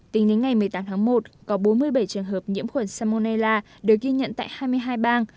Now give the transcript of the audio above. tính đến ngày một mươi tám tháng một có bốn mươi bảy trường hợp nhiễm khuẩn salmonella được ghi nhận tại hai mươi hai bang